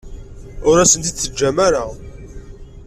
Ur as-ten-id-teǧǧamt ara.